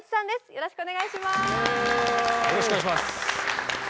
よろしくお願いします。